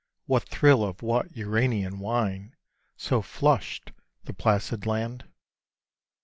What thrill of what Uranian wine So flushed the placid land?